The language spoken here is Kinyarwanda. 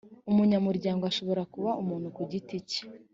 umunyamuryango ashobora kuba umuntu kugiti cye